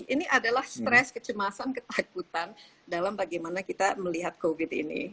ini adalah stres kecemasan ketakutan dalam bagaimana kita melihat covid ini